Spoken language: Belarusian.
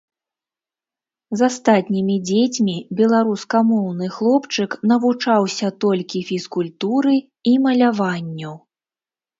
З астатнімі дзецьмі беларускамоўны хлопчык навучаўся толькі фізкультуры і маляванню.